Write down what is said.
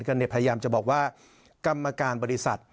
พยายามจะบอกว่ากรรมการบริษัท